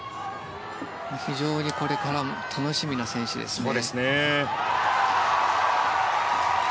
非常にこれから楽しみな選手ですね。